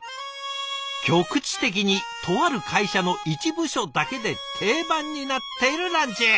局地的にとある会社のいち部署だけで定番になっているランチ。